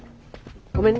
ごめんね。